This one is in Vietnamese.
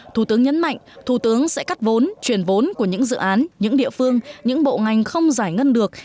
thủ tướng nhấn mạnh thủ tướng sẽ cắt vốn chuyển vốn của những dự án những địa phương những bộ ngành không giải ngân được